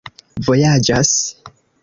vojaĝas